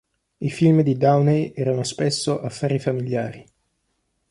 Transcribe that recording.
I film di Downey erano spesso affari familiari.